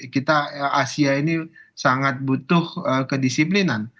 kita asia ini sangat butuh kedisiplinan